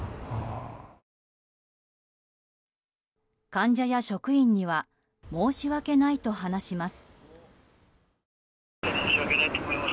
患者や職員には申し訳ないと話します。